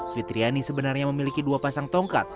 fitriani sebenarnya memiliki dua pasang tongkat